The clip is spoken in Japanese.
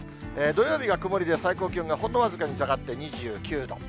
土曜日が曇りで、最高気温がほんの僅かに下がって２９度。